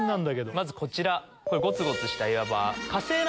まずこちらごつごつした岩場。